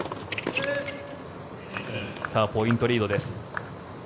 ポイントリードです。